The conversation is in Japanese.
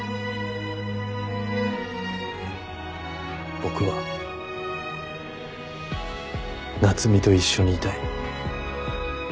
僕は夏海と一緒にいたい。